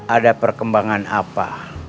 ada perkembangan apa